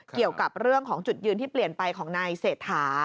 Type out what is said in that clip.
เกี่ยวกับเรื่องของจุดยืนที่เปลี่ยนไปของนายเศรษฐา